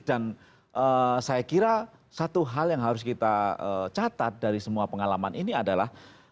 dan saya kira satu hal yang harus kita catat dari semua pengalaman ini adalah